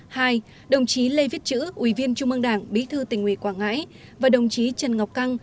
hai đồng chí lê viết chữ ubnd bí tư tỉnh uy quảng ngãi và đồng chí trần ngọc căng